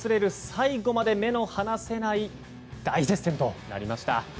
最後まで目の離せない大接戦となりました。